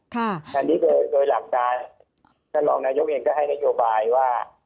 อันนี้โดยหลักการท่านรองนายกเองก็ให้นโยบายว่า